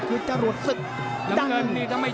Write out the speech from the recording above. ติดตามยังน้อยกว่า